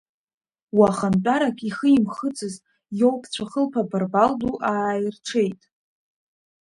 Уахантәарак ихимхыцыз иоупцәа хылԥа барбал ду ааирҽеит.